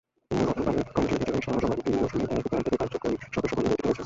গতবারের কমিটির বিজয়ী সহসভাপতি মৌসুমী এবার একই প্যানেল থেকে কার্যকরী সদস্যপদে নির্বাচিত হয়েছেন।